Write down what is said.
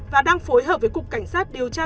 và đang phối hợp với cục cảnh sát điều tra